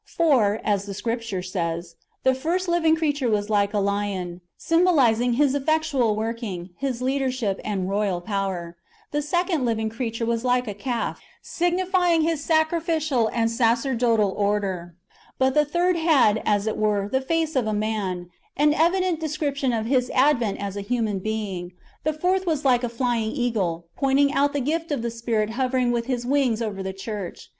For, [as the Scripture] says, " The first living creature was like a lion,"* symbolizing His effectual working, His leadership, and I'oyal power; the second [living creature] was like a calf, signifying [His] sacrificial and sacerdotal order; but "the third had, as it were, the face as of a man," — an evident description of His advent as a human being; "the fourth was like a flying eagle," pointing out the gift of the Spirit hovering with His wings over the church.